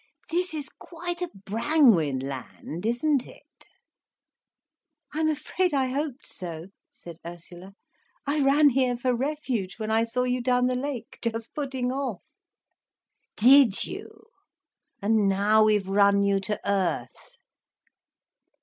This is quite a Brangwen land, isn't it!" "I'm afraid I hoped so," said Ursula. "I ran here for refuge, when I saw you down the lake, just putting off." "Did you! And now we've run you to earth."